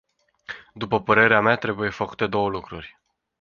După părerea mea, trebuie făcute două lucruri.